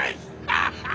アハハハ！